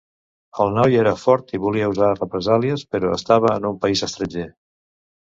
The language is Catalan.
El noi era fort i volia usar represàlies, però estava en un país estranger.